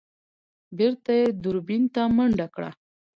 بېرته يې دوربين ته منډه کړه.